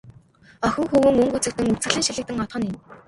Охин хөвүүн өнгө үзэгдэн, үзэсгэлэн шилэгдэн одох нь энэ.